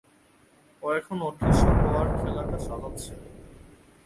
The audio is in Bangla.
ও এখন অদৃশ্য হওয়ার খেলাটা সাজাচ্ছে।